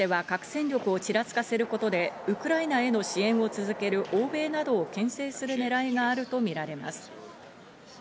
ロシアとしては核戦力をちらつかせることで、ウクライナへの支援を続ける欧米などをけん制するねらいがあるとみられます。